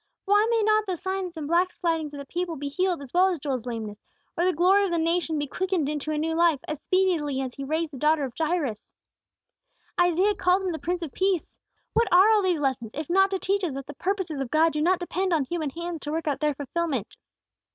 "Why may not the sins and backslidings of the people be healed as well as Joel's lameness; or the glory of the nation be quickened into a new life, as speedily as He raised the daughter of Jairus? "Isaiah called Him the Prince of Peace. What are all these lessons, if not to teach us that the purposes of God do not depend on human hands to work out their fulfilment?"